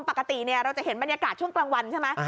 ปกติเราจะเห็นบรรยากาศช่วงกลางวันใช่ไหม